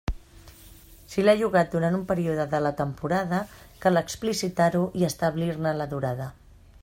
Si l'ha llogat durant un període de la temporada, cal explicitar-ho i establir-ne la durada.